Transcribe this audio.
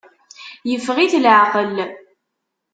Yeffeɣ-it leεqel.